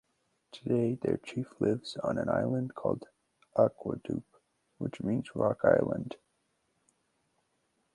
Today their chief lives on an island called Acuadup, which means "rock island".